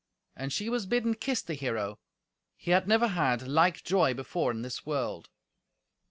And she was bidden kiss the hero. He had never had like joy before in this world.